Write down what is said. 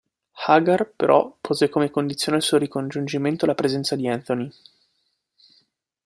Hagar, però, pose come condizione al suo ricongiungimento la presenza di Anthony.